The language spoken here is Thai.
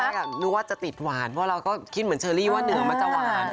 นึกว่าจะติดหวานเพราะเราก็คิดเหมือนเชอรี่ว่าเหนือมันจะหวาน